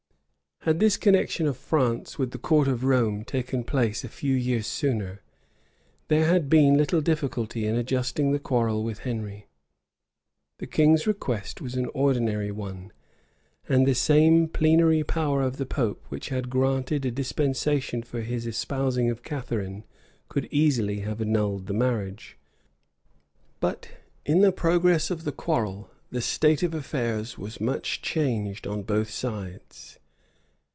Had this connection of France with the court of Rome taken place a few years sooner, there had been little difficulty in adjusting the quarrel with Henry. The king's request was an ordinary one; and the same plenary power of the pope which had granted a dispensation for his espousing of Catharine, could easily have annulled the marriage. But, in the progress of the quarrel, the state of affairs was much changed on both sides.